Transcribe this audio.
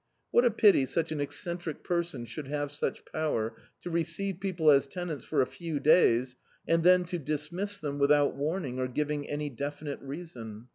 What a pity such an eccentric person should have such power to receive people as tenants for a few days, and then to dismiss them without warning or giving any definite reason.